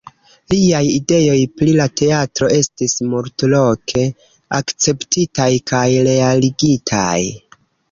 Liaj ideoj pri la teatro estis multloke akceptitaj kaj realigitaj.